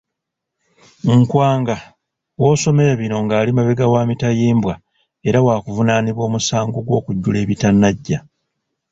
Nkwanga w'osomero bino ng'ali mabega wa mitayimbwa era wakuvunaanibwa omusango gw'okujjula ebitanajja.